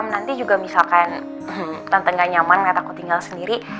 nanti juga misalkan tante gak nyaman melihat aku tinggal sendiri